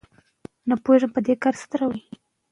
نړیوال سیسټمونه د پښتو لهجو ته اړتیا لري.